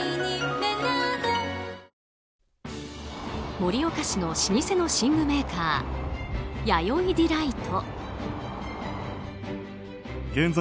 盛岡市の老舗の寝具メーカーやよいディライト。